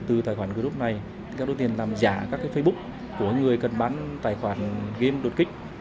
từ tài khoản group này các đối tượng làm giả các facebook của người cần bán tài khoản game đột kích